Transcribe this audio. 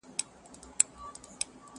o موږ ئې غله تا دي خدای را جوړ کي٫